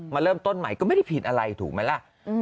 มาเริ่มต้นใหม่ก็ไม่ได้ผิดอะไรถูกไหมล่ะ